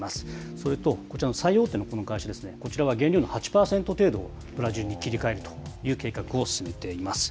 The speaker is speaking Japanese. それと、こちらの最大手のこの会社ですね、こちらは原料の８％程度をブラジルに切り替えるという計画を進めています。